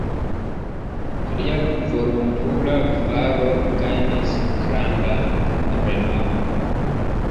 Lia volontula faro gajnis grandan renomon.